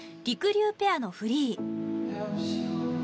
りゅうペアのフリー。